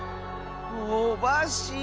オバッシー。